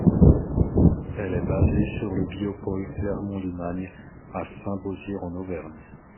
Elle est basée sur le Biopôle Clermont-Limagne, à Saint-Beauzire en Auvergne.